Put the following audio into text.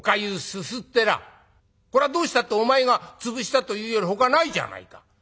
こりゃどうしたってお前が潰したと言うよりほかないじゃないか。